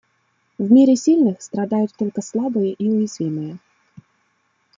В мире сильных страдают только слабые и уязвимые.